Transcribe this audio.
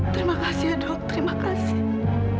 terima kasih ya dok terima kasih